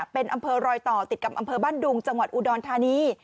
เป็นอำเภอรอยต่อติดกับอำเภอบ้านดุงจังหวัดอุดรธานี